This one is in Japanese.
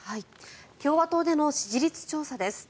共和党での支持率調査です。